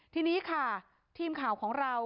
ทีนี้ค่ะทีมข่าวของเรา